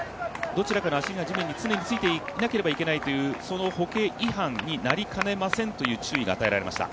どちらかの足が地面に常についていなければならないという歩型違反になりかねませんという注意が与えられました。